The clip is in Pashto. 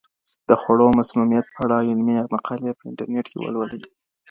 د خوړو مسمومیت په اړه علمي مقالې په انټرنیټ کې ولولئ.